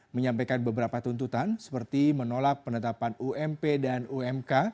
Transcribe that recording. menyampaikan beberapa tuntutan seperti menolak penetapan ump dan umk